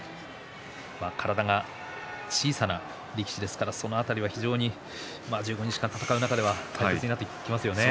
体が小さな力士ですからその辺りは非常に１５日間、戦う中では大事になってきますよね。